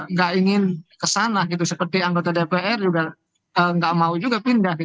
nggak ingin kesana gitu seperti anggota dpr juga nggak mau juga pindah